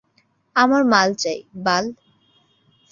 আমার মাল চাই, বাল!